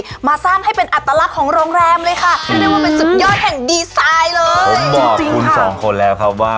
เราสร้างให้เป็นอัตลัดของโรงแรมเลยค่ะ